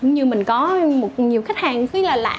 như mình có nhiều khách hàng rất là lạ